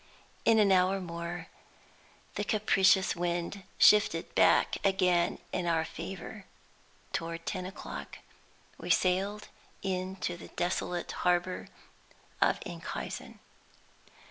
In an hour more the capricious wind shifted back again in our favor. Toward ten o'clock we sailed into the desolate harbor of Enkhuizen.